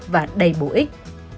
và đầy bổ ích